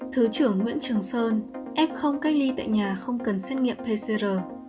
thứ trưởng nguyễn trường sơn f cách ly tại nhà không cần xét nghiệm pcr